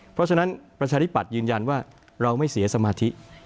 เพราะฉะนั้นประชาธิปัตย์ยืนยันว่าเราไม่เสียสมาธิ